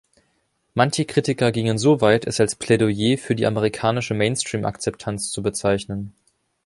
Manche Kritiker gingen so weit, es als „Plädoyer für die amerikanische Mainstream-Akzeptanz“ zu bezeichnen.